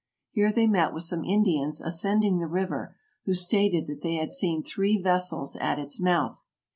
Here they met with some Indians ascending the river, who stated that they had seen three vessels at its mouth.